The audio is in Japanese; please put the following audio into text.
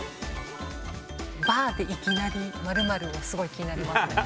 「バーでいきなり○○」がすごい気になりますね。